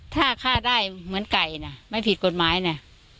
ถ้าฆ่าได้เหมือนไก่นะไม่ผิดกฎหมายนะ